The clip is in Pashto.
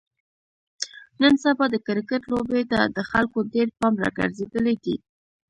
نن سبا د کرکټ لوبې ته د خلکو ډېر پام راگرځېدلی دی.